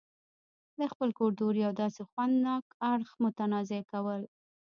دخپل کلتور يو داسې خوند ناک اړخ متنازعه کول